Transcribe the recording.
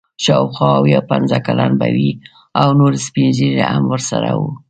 شاوخوا اویا پنځه کلن به وي او نور سپین ږیري هم ورسره وو.